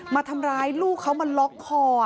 มาทำร้ายลูกเขามาล็อกคอ